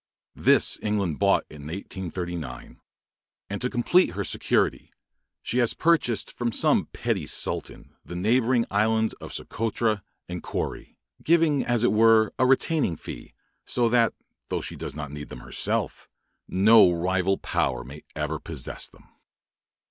This England bought in 1839. And to complete her security, she has purchased from some petty sultan the neighbouring islands of Socotra and Kouri, giving, as it were, a retaining fee, so that, though she does not need them herself, no rival power may ever possess them.